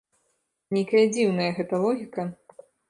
Нейкая дзіўная гэта логіка.